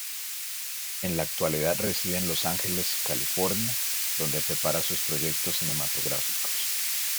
En la actualidad reside en Los Ángeles, California; donde prepara sus proyectos cinematográficos.